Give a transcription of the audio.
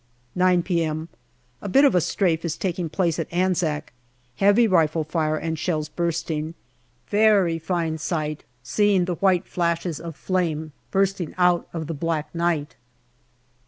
9p.m. A bit of a strafe is taking place at Anzac, heavy rifle fire and shells bursting. Very fine sight, seeing the white flashes of flame bursting out of the black night.